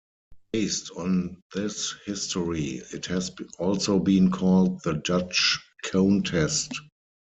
Based on this history it has also been called the "Dutch cone test".